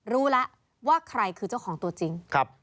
รู้แล้วว่าใครคือเจ้าของตัวจริง